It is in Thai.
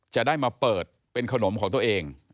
จะได้มาเปิดเป็นขนมของตัวเอง